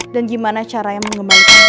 dan gimana caranya mengembalikan rena ya